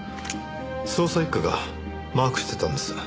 捜査一課がマークしてたんです。